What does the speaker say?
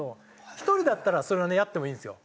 １人だったらそれはねやってもいいんですよ。